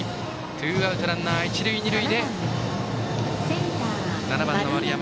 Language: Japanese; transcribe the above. ツーアウトランナー、一塁二塁で７番の丸山。